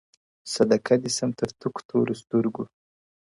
صدقه دي سم تر تكــو تــورو سترگو.!